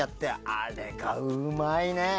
あれがうまいね。